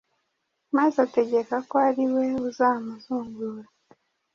maze ategeka ko ari we uzamuzungura